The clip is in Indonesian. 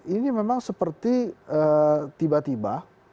ini memang seperti tiba tiba